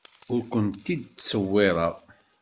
Ur kent-id-ttṣewwireɣ.